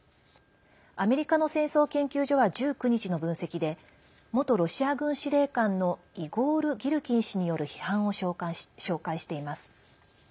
アメリカの戦争研究所は１９日の分析で元ロシア軍司令官のイゴール・ギルキン氏による批判を紹介しています。